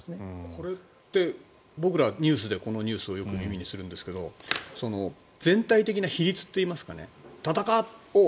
これって、僕らニュースでこのニュースをよく耳にするんですが全体的な比率といいますか戦おうと。